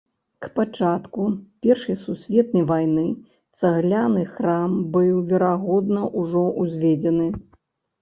К пачатку першай сусветнай вайны цагляны храм быў, верагодна, ужо ўзведзены.